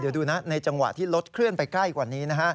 เดี๋ยวดูนะในจังหวะที่รถเคลื่อนไปใกล้กว่านี้นะฮะ